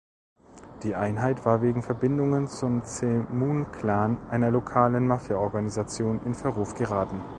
Die Einheit war wegen Verbindungen zum „Zemun-Klan“, einer lokalen Mafia-Organisation, in Verruf geraten.